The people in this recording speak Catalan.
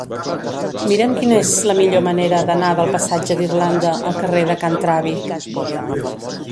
Mira'm quina és la millor manera d'anar del passatge d'Irlanda al carrer de Can Travi.